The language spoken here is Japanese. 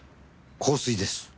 香水です。